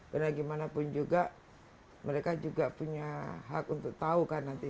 bagaimanapun juga mereka juga punya hak untuk tahu kan nanti